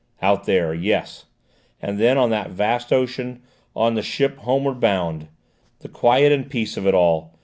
"Out there! Yes; and then on the vast ocean, on the ship homeward bound! The quiet and peace of it all!